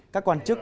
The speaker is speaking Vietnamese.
các quan chức